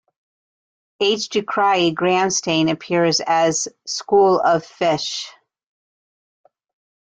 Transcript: "H. ducreyi" gram stain appears as "school of fish.